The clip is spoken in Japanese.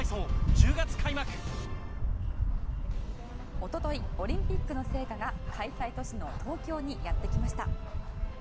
一昨日オリンピックの聖火が開催都市の東京にやってきました。